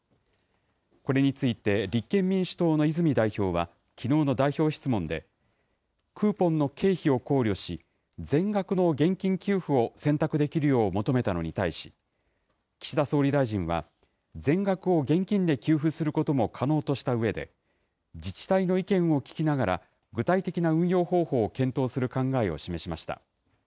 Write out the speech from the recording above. これについて、立憲民主党の泉代表は、きのうの代表質問で、クーポンの経費を考慮し、全額の現金給付を選択できるよう求めたのに対し、岸田総理大臣は、全額を現金で給付することも可能としたうえで、自治体の意見を聞きながら、具体的な運用方法を検討する考えを示しました。